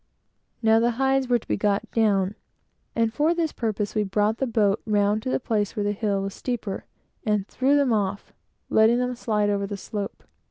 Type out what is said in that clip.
Now, the hides were to be got down; and for this purpose, we brought the boat round to a place where the hill was steeper, and threw them down, letting them slide over the slope.